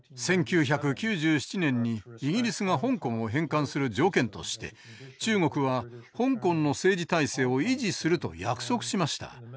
１９９７年にイギリスが香港を返還する条件として中国は香港の政治体制を維持すると約束しました。